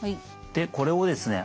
でこれをですね